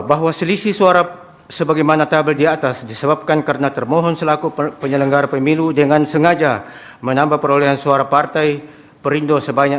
bahwa selisih suara sebagaimana tabel diatas disebabkan karena termohon selaku penyelenggara pemilu dengan sengaja menambah perolehan suara partai perindo sebanyak tujuh ratus tujuh puluh dua